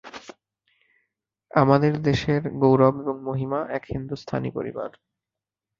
আমাদের দেশের গৌরব এবং মহিমা এক হিন্দুস্থানি পরিবার।